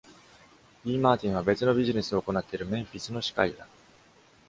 B. Martin は、別のビジネスを行っている Memphis の歯科医だ。